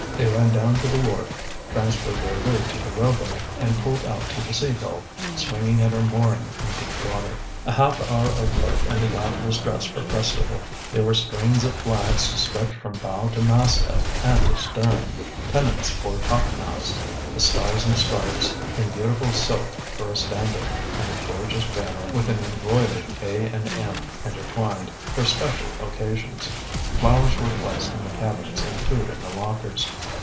They ran down to the wharf, transferred their loot to the rowboat, and pulled out to the Sea Gull, swinging at her mooring in deep water. A half hour of work, and the yacht was dressed for festival. There were strings of flags to stretch from bow to masthead and to stern; pennants for topmasts; the Stars and Stripes in beautiful silk for a standard, and a gorgeous banner with an embroidered A and M intertwined, for special occasions. Flowers were placed in the cabins, and food in the lockers.